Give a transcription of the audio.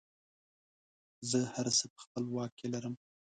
زه هر څه په خپله واک کې لرم.